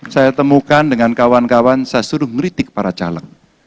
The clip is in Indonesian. saya temukan dengan kawan kawan saya suruh meritik para caleg